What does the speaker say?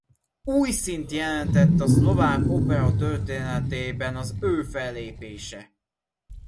Új színt jelentett a szlovák opera történetében az ő fellépése.